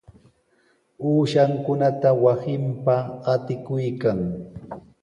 Uushankunata wasinpa qatikuykan.